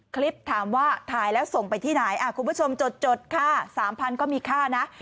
คลิปถามว่าถ่ายแล้วส่งไปที่ไหนคุณผู้ชมจดค่า๓๐๐ก็มีค่านะ